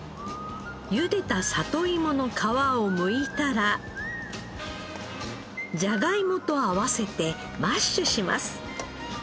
ゆでた里いもの皮をむいたらじゃがいもと合わせてマッシュします。